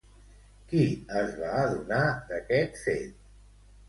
Qui es va adonar d'aquest fet?